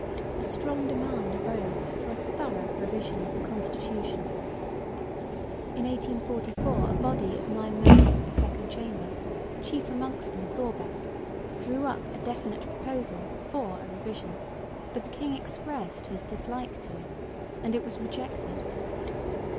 A strong demand arose for a thorough revision of the constitution. In 1844 a body of nine members of the Second Chamber, chief amongst them Thorbecke, drew up a definite proposal for a revision; but the king expressed his dislike to it, and it was rejected.